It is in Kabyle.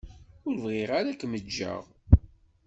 Ur bɣiɣ ara ad kem-ǧǧeɣ.